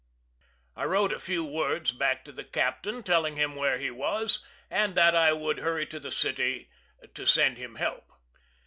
I wrote a few words back to the captain, telling him where he was, and that I would hurry to the city to send him help.